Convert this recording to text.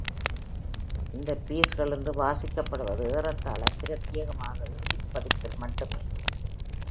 இந்த பீஸ்கள் இன்று வாசிக்கப்படுவது, ஏறத்தாழ பிரத்யேகமாக இறுதிப் பதிப்பில் மட்டுமே.